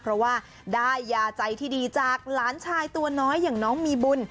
เพราะว่าได้ยาใจที่ดีจากหลานชายตัวน้อยอย่างน้องมีบุญ